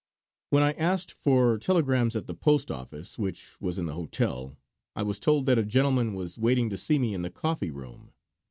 When I asked for telegrams at the post office, which was in the hotel, I was told that a gentleman was waiting to see me in the coffee room.